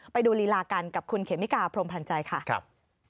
ไปดูรีลากันกับคุณเขมิกาพรมพลันใจค่ะค่ะครับครับ